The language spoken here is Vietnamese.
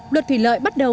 đoạn thủy lợi bắt đầu